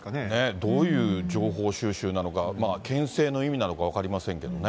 どういう情報収集なのか、けん制の意味なのか、分かりませんけどね。